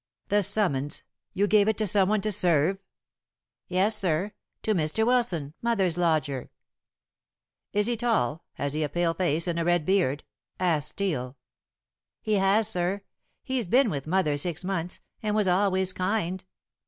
"The summons! You gave it to someone to serve?" "Yes, sir. To Mr. Wilson, mother's lodger." "Is he tall? Has he a pale face and a red beard?" asked Steel. "He has, sir. He's been with mother six months, and was always kind.